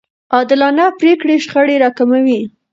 عادلانه پرېکړې شخړې راکموي.